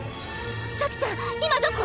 咲ちゃん今どこ！？